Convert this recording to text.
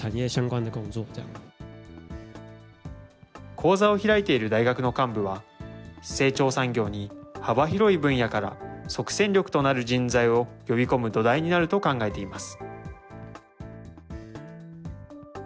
講座を開いている大学の幹部は、成長産業に幅広い分野から即戦力となる人材を呼び込む土台になると考えています。